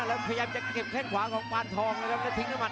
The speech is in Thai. และพยายามจะเผยเผยเค้นขวาของปรันทองแล้วก็ทิ้งด้วยมัน๑๒